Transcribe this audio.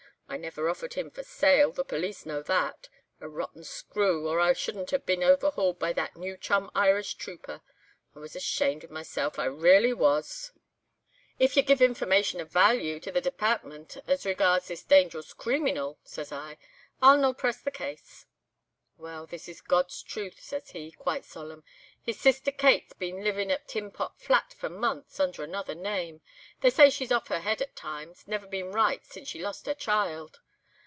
I never offered him for sale, the police know that. A rotten screw, or I shouldn't have been overhauled by that new chum Irish trooper. I was ashamed of myself, I raly was.' "'If ye give information of value to the depairtment as regards this dangerous creeminal,' says I, 'I'll no press the case.' "'Well—this is God's truth,' says he, quite solemn. 'His sister Kate's been livin' at Tin Pot Flat for months, under another name. They say she's off her head at times, never been right since she lost her child.